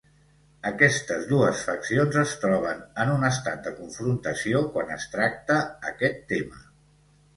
Aquestes dues faccions es troben en un estat de confrontació quan es tracta aquest tema.